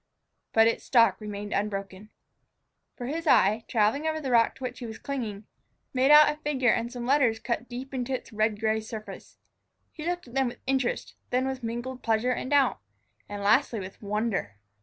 But its stalk remained unbroken. For his eye, traveling over the rock to which he was clinging, made out a figure and some letters cut deep into its red gray surface. He looked at them with interest, then with mingled pleasure and doubt, and lastly with wonder.